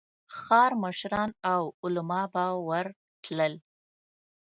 ښار مشران او علماء به ورتلل.